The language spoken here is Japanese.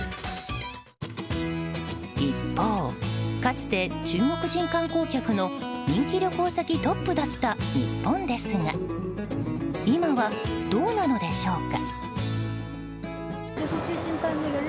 一方、かつて中国人観光客の人気旅行先トップだった日本ですが今はどうなのでしょうか？